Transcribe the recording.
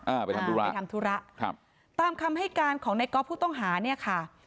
ไปทำธุระไปทำธุระครับตามคำให้การของในก๊อฟผู้ต้องหาเนี่ยค่ะ